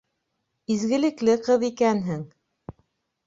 — Изгелекле ҡыҙ икәнһең.